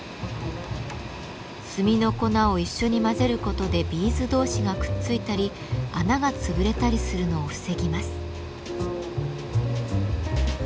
炭の粉を一緒に混ぜることでビーズ同士がくっついたり穴が潰れたりするのを防ぎます。